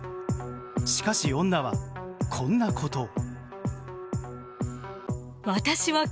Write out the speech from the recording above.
しかし女は、こんなことを。